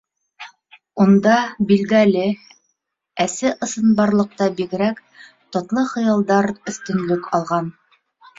Унда, билдәле, әсе ысынбарлыҡтан бигерәк, татлы хыялдар өҫтөнлөк алған.